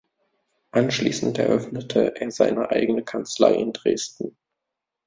Anschließend eröffnete er seine eigene Kanzlei in Dresden.